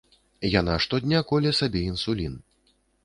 Яна штодня коле сабе інсулін.